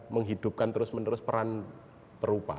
menghidupkan terus menerus peran perupa